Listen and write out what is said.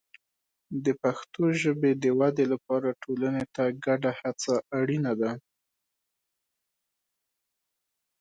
د پښتو ژبې د ودې لپاره ټولنې ته ګډه هڅه اړینه ده.